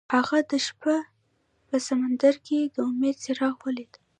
هغه د شپه په سمندر کې د امید څراغ ولید.